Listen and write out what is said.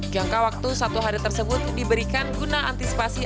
jangka waktu satu hari tersebut diberikan guna antisipasi